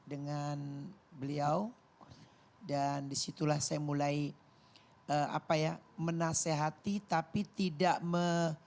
dengan beliau dan disitulah saya mulai apa ya menasehati tapi tidak